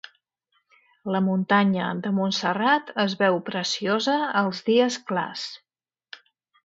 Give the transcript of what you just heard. La muntanya de Monsterrat es veu preciosa els dies clars.